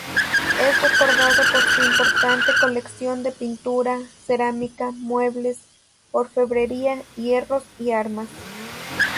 Es recordado por su importante colección de pintura, cerámica, muebles, orfebrería, hierros y armas.